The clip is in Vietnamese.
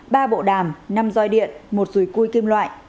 ba bộ đàm năm roi điện một rùi cui kim loại